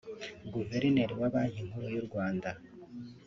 Guverineri wa Banki Nkuru y’u Rwanda